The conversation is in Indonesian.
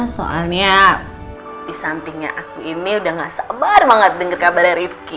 soalnya disampingnya aku ini udah gak sabar banget denger kabarnya rifqi